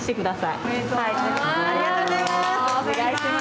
おめでとうございます。